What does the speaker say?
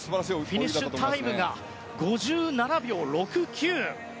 そしてフィニッシュタイム５７秒６９。